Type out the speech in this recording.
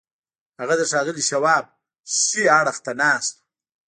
هغه د ښاغلي شواب ښي اړخ ته ناست و.